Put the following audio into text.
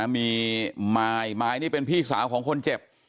มีมายมายนี่เป็นพี่สาวของคนเจ็บ